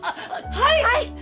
はい！